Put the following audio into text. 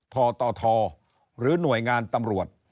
ทตหรือหน่วยงานตำรวจ